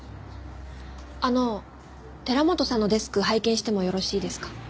あの寺本さんのデスク拝見してもよろしいですか？